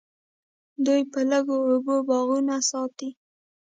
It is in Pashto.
دوی په لږو اوبو باغونه ساتي.